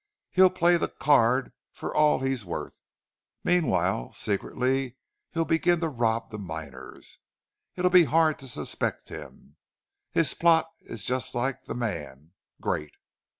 He'll play the card for all he's worth. Meanwhile, secretly he'll begin to rob the miners. It'll be hard to suspect him. His plot is just like the man great!"